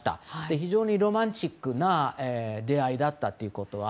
非常にロマンチックな出会いだったと。